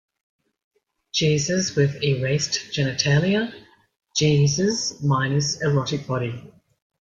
Jesus with erased genitalia; Jesus minus erotic body.